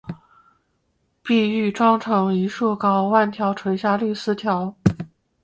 碧玉妆成一树高，万条垂下绿丝绦